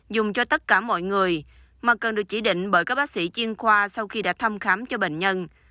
dùng cho tất cả mọi người mà cần được chỉ định bởi các bác sĩ chiên khoa sau khi đã thăm khám cho bệnh nhân